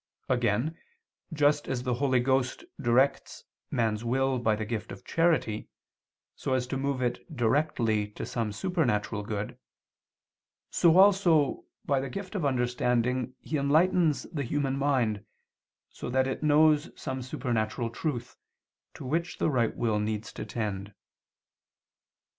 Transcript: Again, just as the Holy Ghost directs man's will by the gift of charity, so as to move it directly to some supernatural good; so also, by the gift of understanding, He enlightens the human mind, so that it knows some supernatural truth, to which the right will needs to tend.